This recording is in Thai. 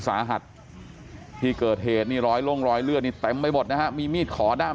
สาหัสที่เกิดเหตุนี่รอยล่งรอยเลือดนี่เต็มไปหมดนะฮะมีมีดขอด้าม